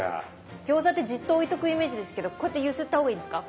餃子ってじっと置いとくイメージですけどこうやって揺すった方がいいんですか？